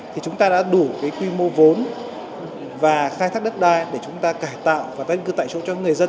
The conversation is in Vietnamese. thì chúng ta đã đủ quy mô vốn và khai thác đất đai để chúng ta cải tạo và tài trụ cho người dân